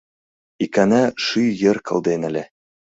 Икана шӱй йыр кылден ыле.